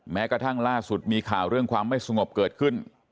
แม้กระทั่งล่าสุดมีข่าวเรื่องความไม่สงบเกิดขึ้น